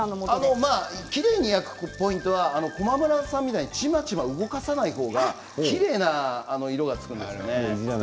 きれいに焼くポイントは駒村さんみたいにちまちま動かさないほうがきれいな色がつきます。